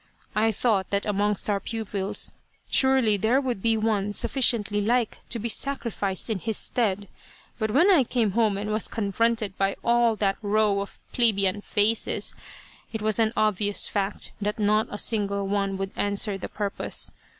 I thought that amongst our pupils surely there would be one suffi ciently like to be sacrificed in his stead, but when I came home and was confronted by all that row of plebian faces, it was an obvious fact that not a single one would answer the purpose.